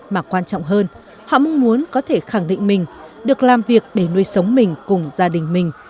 mà quan trọng hơn họ mong muốn có thể khẳng định mình được làm việc để nuôi sống mình cùng gia đình mình